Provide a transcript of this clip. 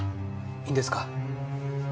いいんです。